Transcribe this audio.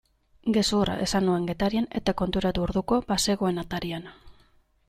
Gezurra esan nuen Getarian eta konturatu orduko bazegoen atarian.